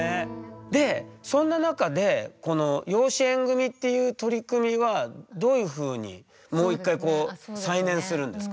でそんな中でこの養子縁組っていう取り組みはどういうふうにもう一回再燃するんですか？